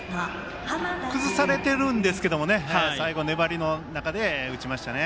崩されているんですけども最後、粘りの中で打ちましたね。